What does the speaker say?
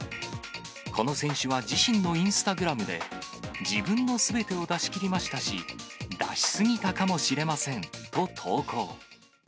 この選手は自身のインスタグラムで、自分のすべてを出し切りましたし、出しすぎたかもしれませんと投稿。